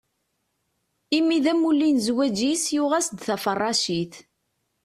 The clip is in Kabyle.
Imi d amulli n zzwaǧ-is, yuɣ-as-d taferracit.